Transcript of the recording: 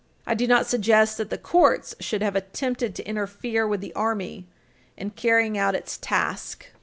I do not suggest that the courts should have attempted to interfere with the Army in carrying out its task.